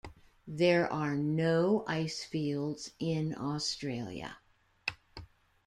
There are no ice fields in Australia.